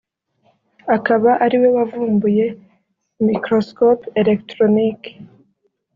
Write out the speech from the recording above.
akaba ari we wavumbuye microscope electronique